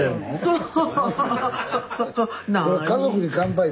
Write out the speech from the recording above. そう。